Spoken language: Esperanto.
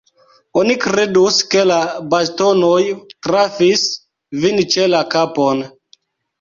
Oni kredus, ke la bastonoj trafis vin ĉe la kapon.